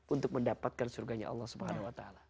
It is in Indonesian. untuk mendapatkan surganya allah swt